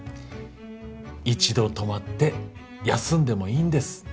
一度止まって休んでもいいんです。